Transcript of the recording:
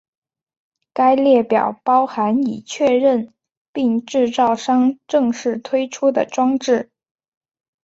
该列表包含已确认并制造商正式推出的装置。